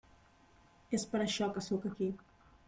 És per això que sóc aquí.